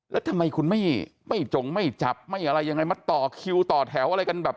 แล้วทำไมขนไม่อย่างไรไม่จ๋งไม่จับมัดต่อคิวต่อแถว